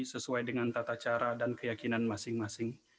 sesuai dengan tata cara dan keyakinan masing masing